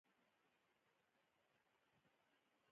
د تلویزیون د باغدارۍ خپرونې ګورئ؟